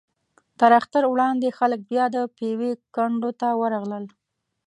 تر اختر وړاندې خلک بیا د پېوې کنډو ته ورغلل.